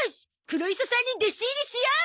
黒磯さんに弟子入りしよう！